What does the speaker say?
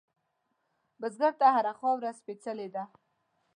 بزګر ته هره خاوره سپېڅلې ده